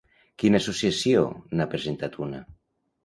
Quina associació n'ha presentat una?